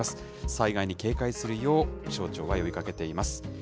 災害に警戒するよう気象庁は呼びかけています。